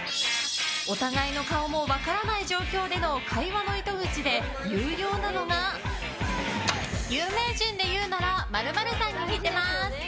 お互いの顔も分からない状況での会話の糸口で有用なのが有名人で言うなら○○さんに似てます。